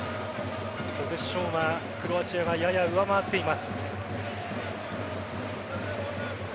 ポゼッションはクロアチアがやや上回っています。